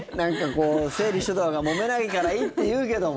整理しておいたほうがもめないからいいっていうけども。